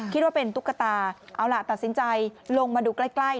คิดว่าเป็นตุ๊กตาเอาล่ะตัดสินใจลงมาดูใกล้ใกล้